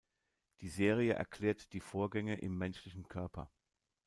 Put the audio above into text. Die Serie erklärt die Vorgänge im menschlichen Körper.